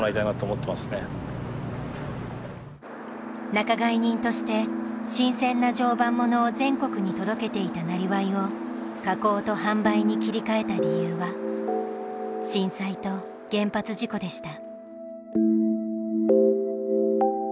仲買人として新鮮な常磐ものを全国に届けていたなりわいを加工と販売に切り替えた理由は震災と原発事故でした。